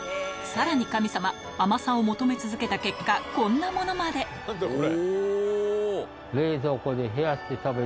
さらに神様甘さを求め続けた結果こんなものまでおぉ！